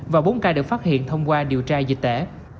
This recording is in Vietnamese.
và bốn ca được phát hiện thông qua điều tra dịch tễ